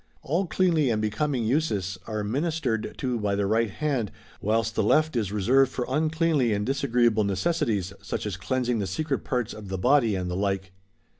All cleanly and becoming uses are minis tered to by the right hand, whilst the left is reserv^ed for uncleanly and disagreeable necessities, such as cleansing the secret parts of the body and the like.